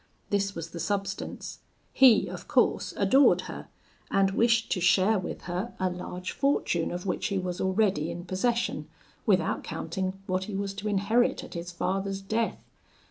This was the substance: He of course adored her; and wished to share with her a large fortune of which he was already in possession, without counting what he was to inherit at his father's death.